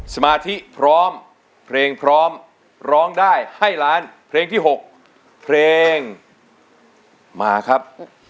สมาธิพร้อมเพลงพร้อมร้องได้ให้ล้านเพลงที่๖เพลงมาครับ